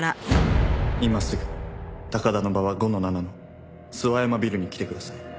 「今すぐ高田馬場５−７の諏訪山ビルに来てください」